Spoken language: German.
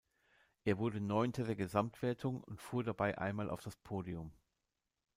Er wurde Neunter der Gesamtwertung und fuhr dabei einmal auf das Podium.